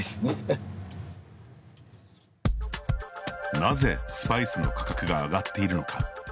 なぜ、スパイスの価格が上がっているのか。